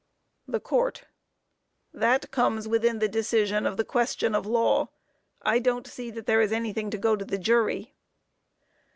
THE COURT: That comes within the decision of the question of law. I don't see that there is anything to go to the jury.